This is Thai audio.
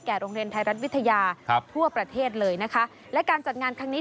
โรงเรียนไทยรัฐวิทยาครับทั่วประเทศเลยนะคะและการจัดงานครั้งนี้